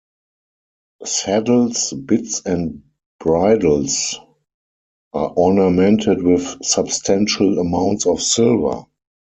Saddles, bits and bridles are ornamented with substantial amounts of silver.